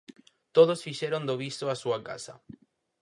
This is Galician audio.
Todos fixeron do Viso a súa casa.